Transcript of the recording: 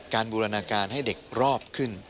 บูรณาการให้เด็กรอบขึ้น